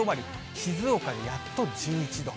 静岡やっと１１度。